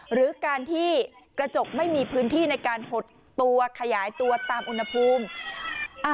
หรือการที่กระจกไม่มีพื้นที่ในการหดตัวขยายตัวตามอุณหภูมิ